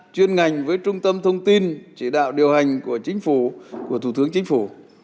chuyên ngành với trung tâm thông tin chỉ đạo điều hành của thủ tướng chính phủ